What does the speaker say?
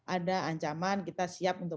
ada ancaman kita siap untuk